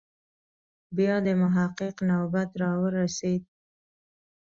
بیا د محقق نوبت راورسېد.